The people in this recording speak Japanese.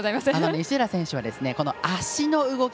石浦選手は足の動き